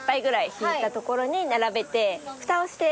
引いたところに並べて。